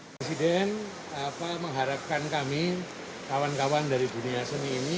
presiden mengharapkan kami kawan kawan dari dunia seni ini